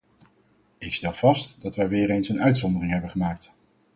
Ik stel vast dat wij weer eens een uitzondering hebben gemaakt.